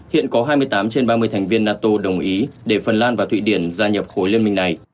hiện có hai mươi tám trên ba mươi thành viên nato đồng ý để phần lan và thụy điển gia nhập khối liên minh này